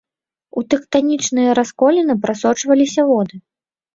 У тэктанічныя расколіны прасочваліся воды.